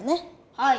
はい。